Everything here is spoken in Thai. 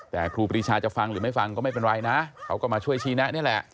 แต่ครูปรีชาจะฟังหรือไม่ฟังก็ไม่เป็นไรนะเขาก็มาช่วยชี้แนะนี่แหละ